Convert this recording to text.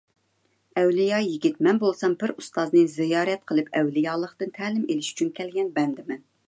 ئەۋلىيا يىگىت، مەن بولسام پىر ئۇستازنى زىيارەت قىلىپ ئەۋلىيالىقتىن تەلىم ئېلىش ئۈچۈن كەلگەن بەندىمەن.